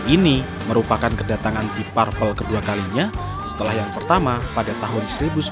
ini merupakan kedatangan deep purple kedua kalinya setelah yang pertama pada tahun seribu sembilan ratus tujuh puluh lima